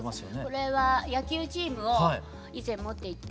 これは野球チームを以前持っていて。